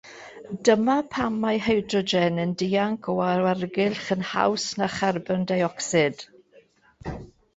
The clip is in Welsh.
Dyma pam mae hydrogen yn dianc o awyrgylch yn haws na charbon deuocsid.